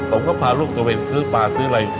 ผมก็พากลูกเข้าเป็นซื้อป่าซื้ออะไร